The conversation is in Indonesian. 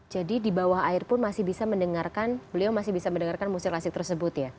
jadi di bawah air pun masih bisa mendengarkan beliau masih bisa mendengarkan musik klasik tersebut ya